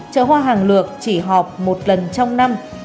chợ hoa hàng lược chỉ họp một lần trong năm